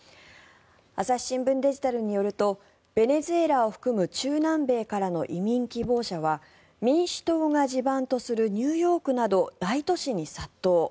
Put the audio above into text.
朝日新聞デジタルによるとベネズエラを含む中南米からの移民希望者は民主党が地盤とするニューヨークなど大都市に殺到。